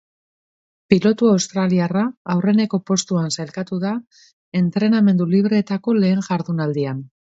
Pilotu australiarra aurreneko postuan sailkatu da entrenamendu libreetako lehen jardunaldian.